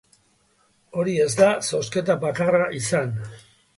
Hori ez da zozketa bakarra izan.